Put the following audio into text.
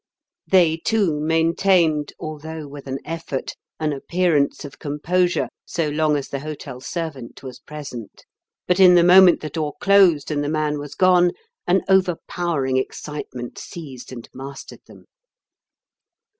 They, too, maintained, although with an effort, an appearance of composure so long as the hotel servant was present; but in the moment the door closed and the man was gone an overpowering excitement seized and mastered them.